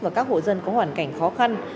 và các hộ dân có hoàn cảnh khó khăn